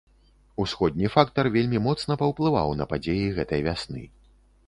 Усходні фактар вельмі моцна паўплываў на падзеі гэтай вясны.